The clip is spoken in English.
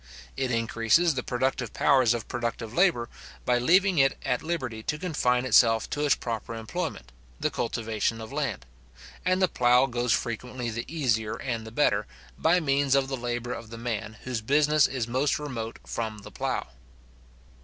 It increases the productive powers of productive labour, by leaving it at liberty to confine itself to its proper employment, the cultivation of land; and the plough goes frequently the easier and the better, by means of the labour of the man whose business is most remote from the plough.